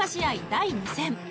第２戦。